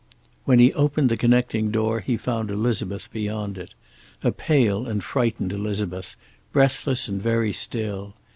When he opened the connecting door he found Elizabeth beyond it, a pale and frightened Elizabeth, breathless and very still.